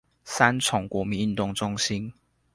三重國民運動中心